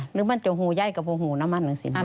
หรือมันจะพูดใหญ่ก็พูดหูน้ำมันหรือสินะ